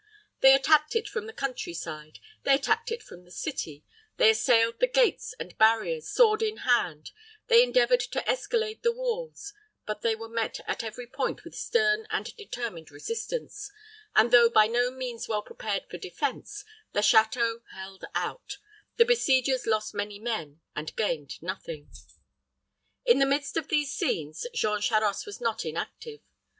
They attacked it from the country side; they attacked it from the city; they assailed the gates and barriers sword in hand; they endeavored to escalade the walls; but they were met at every point with stern and determined resistance, and though by no means well prepared for defense, the château held out; the besiegers lost many men, and gained nothing. In the midst of these scenes, Jean Charost was not inactive.